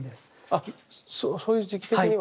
あそういう時期的には。